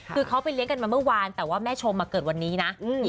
คือเขาไปเลี้ยงกันมาเมื่อวานแต่ว่าแม่ชมเกิดวันนี้นะ